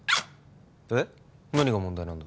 えっ何が問題なんだ？